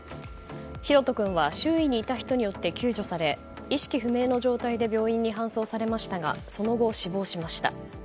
大翔君は周囲にいた人によって救助され意識不明の状態で病院に搬送されましたがその後、死亡しました。